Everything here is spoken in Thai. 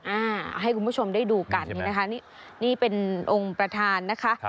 อ่าให้คุณผู้ชมได้ดูกันนี่นะคะนี่นี่เป็นองค์ประธานนะคะ